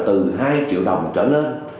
từ hai triệu đồng trở lên